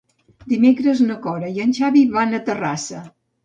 Dimecres na Cora i en Xavi van a Terrassa.